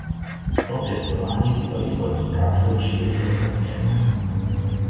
Pro pěstování v bytových podmínkách jsou příliš rozměrné.